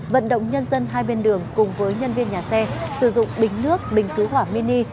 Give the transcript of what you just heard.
vận động nhân dân hai bên đường cùng với nhân viên nhà xe sử dụng bình nước bình cứu hỏa mini